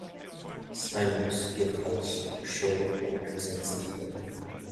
Simons gilt als scheu und sensibel.